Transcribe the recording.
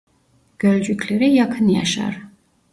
Gölcüklere yakın yaşar.